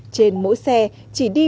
trên mỗi xe chỉ đi